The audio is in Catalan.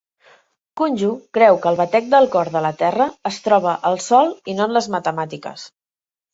Kunju creu que el batec del cor de la terra es troba al sòl i no en les matemàtiques.